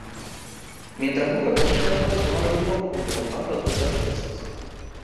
Mientras busca comida puede formar grupos junto con pájaros de otras especies.